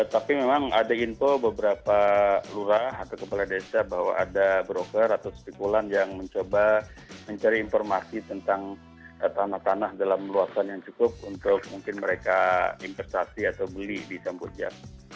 tapi memang ada info beberapa lurah atau kepala desa bahwa ada broker atau spekulan yang mencoba mencari informasi tentang tanah tanah dalam luasan yang cukup untuk mungkin mereka investasi atau beli di samboja